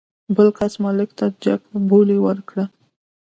بل کس مالک ته جګ بولي ورکړه.